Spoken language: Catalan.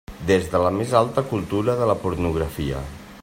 Des de la més alta cultura a la pornografia.